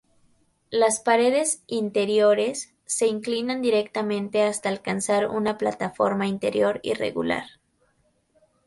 Las paredes interiores se inclinan directamente hasta alcanzar una plataforma interior irregular.